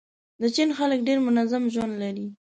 د چین خلک ډېر منظم ژوند لري.